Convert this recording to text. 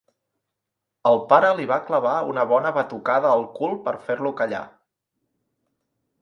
El pare li va clavar una bona batucada al cul per fer-lo callar.